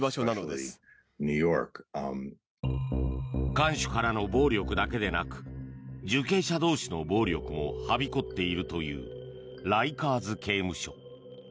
看守からの暴力だけでなく受刑者同士の暴力もはびこっているというライカーズ刑務所。